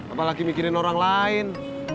apalagi mikirin orang lain